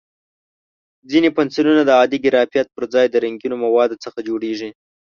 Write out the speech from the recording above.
ځینې پنسلونه د عادي ګرافیت پر ځای د رنګینو موادو څخه جوړېږي.